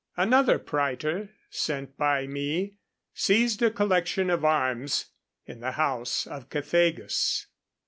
Another praetor, sent by me, seized a collection of arms in the house of Cethegus.